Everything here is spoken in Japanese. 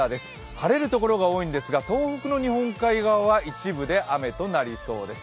晴れるところが多いんですが東北の日本海側は、一部で雨となりそうです。